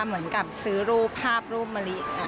เหมือนกับซื้อรูปภาพรูปมะลิ